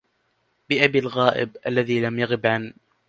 بأبي الغائب الذي لم يغب عن